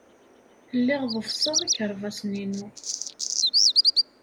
Lliɣ ḍeffseɣ ikerbasen-inu.